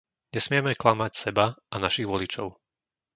Nesmieme klamať seba a našich voličov.